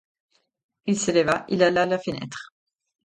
Il se leva, il alla à la fenêtre.